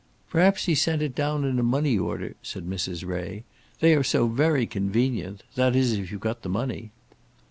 "Perhaps he's sent it down in a money order," said Mrs. Ray. "They are so very convenient, that is if you've got the money."